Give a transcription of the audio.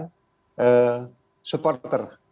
dan memiliki keamanan supporter